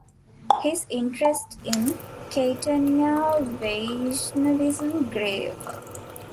His interest in Caitanya Vaishnavism grew.